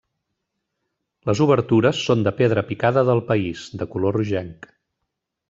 Les obertures són de pedra picada del país, de color rogenc.